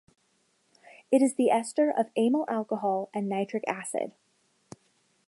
It is the ester of amyl alcohol and nitric acid.